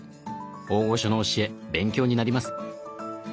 大御所の教え勉強になります。